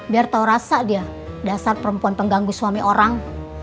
biar tahu rasa dia dasar perempuan pengganggu suami orang